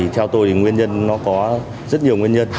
theo tôi thì nguyên nhân nó có rất nhiều nguyên nhân